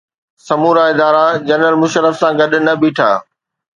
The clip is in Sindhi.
سمورا ادارا جنرل مشرف سان گڏ نه بيٺا.